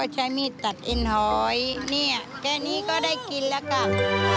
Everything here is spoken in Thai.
ใช้มีดตัดเอ็นหอยเนี่ยแค่นี้ก็ได้กินแล้วค่ะ